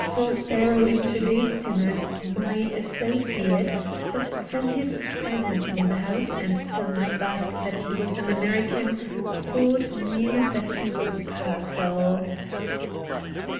Prothero introduced him as "my associate," but from his presence in the house, and from the fact that he was an American, Ford knew that he was Pearsall.